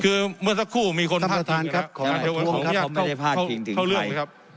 คือเมื่อสักครู่มีคนพักของไม่ได้พักถึงใคร